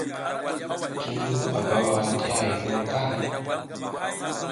Cunju a bawa ti hay ngi waka.